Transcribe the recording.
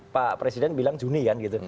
pak presiden bilang juni kan gitu